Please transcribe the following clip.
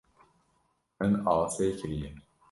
Min asê kiriye.